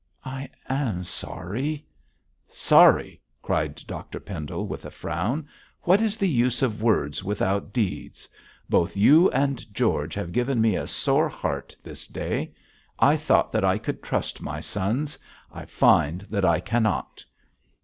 'I am sorry ' 'Sorry!' cried Dr Pendle, with a frown. 'What is the use of words without deeds? Both you and George have given me a sore heart this day. I thought that I could trust my sons; I find that I cannot.